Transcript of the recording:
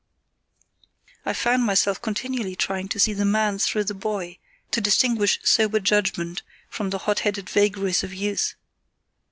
I found myself continually trying to see the man through the boy, to distinguish sober judgement from the hot headed vagaries of youth.